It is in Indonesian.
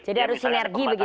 jadi harus sinergi begitu ya